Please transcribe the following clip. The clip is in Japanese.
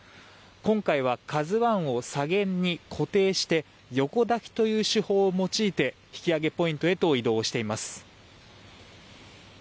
今回は「ＫＡＺＵ１」を左舷に固定して横抱きという手法を用いて引き揚げポイントへと移動しています。